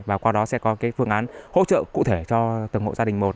và qua đó sẽ có cái phương án hỗ trợ cụ thể cho từng hộ gia đình một